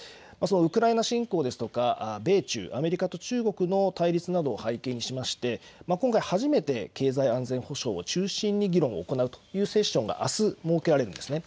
ウクライナ支援ですとか米中、アメリカと中国の対立などを背景にしまして今回、初めて経済安全保障を中心に議論を行うというセッションがあす設けられるんですね。